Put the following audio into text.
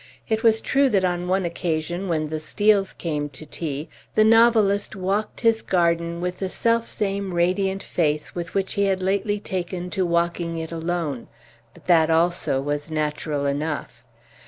It was true that on one occasion, when the Steels came to tea, the novelist walked his garden with the self same radiant face with which he had lately taken to walking it alone; but that also was natural enough.